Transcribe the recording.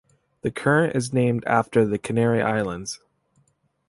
The current is named after the Canary Islands.